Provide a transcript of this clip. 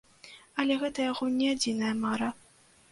Але гэта яго не адзіная мара.